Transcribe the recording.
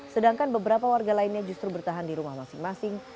sedangkan beberapa warga lainnya justru bertahan di rumah masing masing